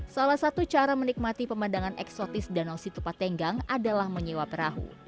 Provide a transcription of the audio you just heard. salah satu cara menikmati pemandangan eksotis danau situpat tenggang adalah menyewa perahu